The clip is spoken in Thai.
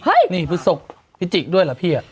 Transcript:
เฮ้ยนี่พฤศพพี่จิกด้วยเหรอพี่